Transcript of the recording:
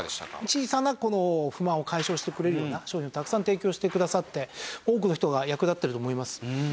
小さな不満を解消してくれるような商品をたくさん提供してくださって多くの人が役立ってると思います。